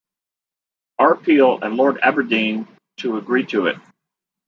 R. Peel and Lord Aberdeen to agree to it.